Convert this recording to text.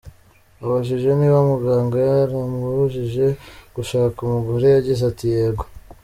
Abajije niba muganga yaramubujije gushaka umugore yagize ati “Yego”.